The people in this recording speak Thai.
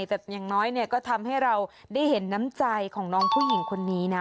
แต่อย่างน้อยเนี่ยก็ทำให้เราได้เห็นน้ำใจของน้องผู้หญิงคนนี้นะ